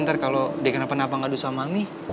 ntar kalau dia kena penapa napa ngadu sama ami